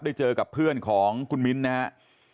ได้เจอกับเพื่อนของคุณมิ้นนะครับ